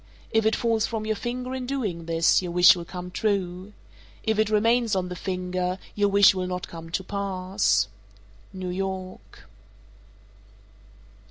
If it falls from your finger in doing this, your wish will come true. If it remains on the finger, your wish will not come to pass. _New York.